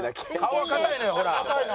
顔が硬いのよほら。